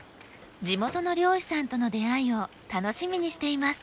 地元の漁師さんとの出会いを楽しみにしています。